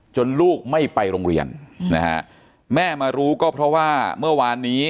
ลูกไม่ไปโรงเรียนนะฮะแม่มารู้ก็เพราะว่าเมื่อวานนี้